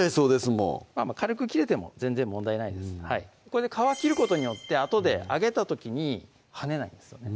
もう軽く切れても全然問題ないです皮切ることによってあとで揚げた時にはねないんですよね